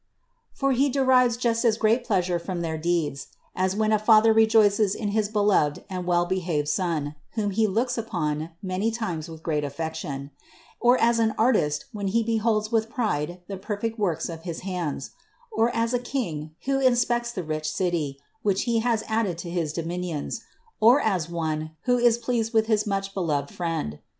For He de rives just as great pleasure from their deeds, as when a father rejoices in his beloved and well behaved son, whom he looks upon many times with great affection; or as an artist, when he beholds with pride the perfect works of his hands; or as a king, who inspects the rich city, which he has added to his dominions; or as one, who is pleased with his much beloved friend.